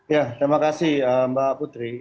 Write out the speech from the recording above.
ya terima kasih mbak putri